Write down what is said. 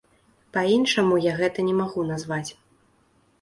Па-іншаму я гэта не магу назваць.